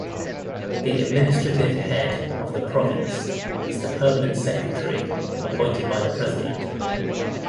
The administrative head of the province is the Permanent Secretary, appointed by the President.